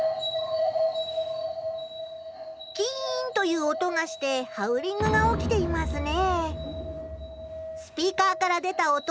キンという音がしてハウリングが起きていますね。